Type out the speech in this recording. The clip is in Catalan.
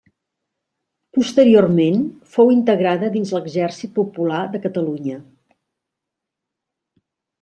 Posteriorment fou integrada dins l'exèrcit popular de Catalunya.